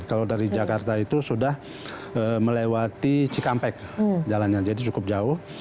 kalau dari jakarta itu sudah melewati cikampek jalannya jadi cukup jauh